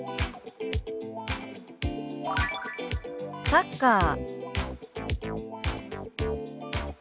「サッカー」。